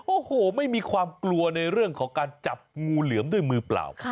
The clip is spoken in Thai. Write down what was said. โอ้โหไม่มีความกลัวในเรื่องของการจับงูเหลือมด้วยมือเปล่า